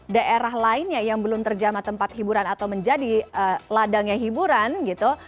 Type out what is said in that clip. daerah lainnya yang belum terjama tempat hiburan atau menjadi ladangnya hiburan gitu